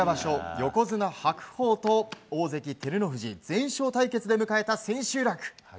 横綱・白鵬と大関・照ノ富士全勝対決で迎えた千秋楽。